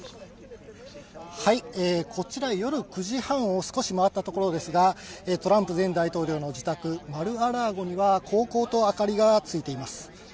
こちら、夜９時半を少し回ったところですが、トランプ前大統領の自宅、マル・ア・ラーゴには煌々と明かりがついています。